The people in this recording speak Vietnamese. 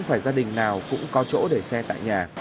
phải gia đình nào cũng có chỗ để xe tại nhà